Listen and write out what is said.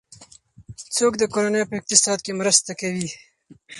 څوک د کورنۍ په اقتصاد کې مرسته کوي؟